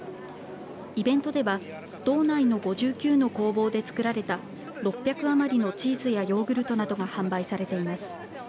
イベントでは道内の５９の工房で作られた６００余りのチーズやヨーグルトなどが販売されています。